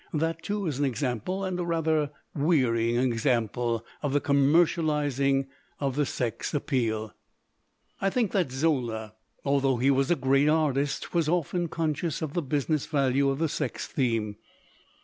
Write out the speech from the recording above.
That, too, is an example, and a rather weary 133 LITERATURE IN THE MAKING ing example, of the commercializing of the sex appeal. "I think that Zola, although he was a great artist, was often conscious of the business value of the sex theme.